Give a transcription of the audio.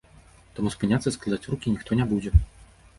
Таму спыняцца, складаць рукі ніхто не будзе.